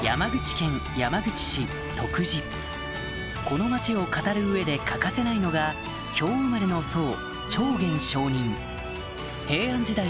この町を語る上で欠かせないのが京生まれの僧平安時代